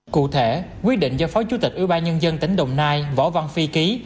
cụ thể quyết định do phó chủ tịch ubnd tỉnh đồng nai võ văn phi ký